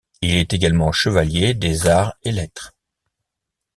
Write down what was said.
Il est également Chevalier des Arts et Lettres.